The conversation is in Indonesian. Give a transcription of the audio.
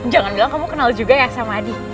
jangan bilang kamu kenal juga ya sama adi